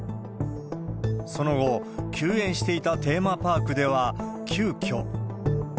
その後、休園していたテーマパークでは、急きょ。